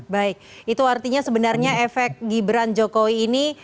baik itu artinya sebenarnya efek gibran jokowi ini